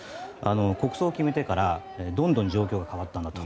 国葬を決めてからどんどん状況が変わったんだと。